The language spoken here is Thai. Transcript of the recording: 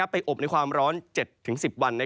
อบในความร้อน๗๑๐วัน